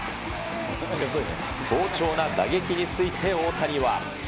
好調な打撃について、大谷は。